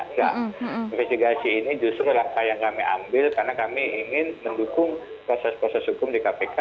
investigasi ini justru langkah yang kami ambil karena kami ingin mendukung proses proses hukum di kpk